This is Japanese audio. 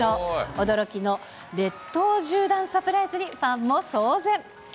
驚きの列島縦断サプライズに、ファンも騒然。